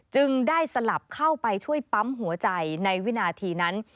จึงได้สลับเข้าไปช่วยปั๊มหัวใจในวินาทีนั้น